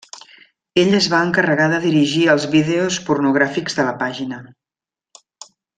Ell es va encarregar de dirigir els vídeos pornogràfics de la pàgina.